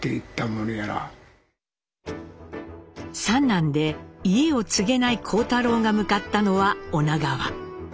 三男で家を継げない幸太郎が向かったのは女川。